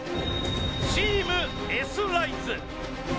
チームＳライズ。